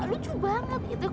lucu banget gitu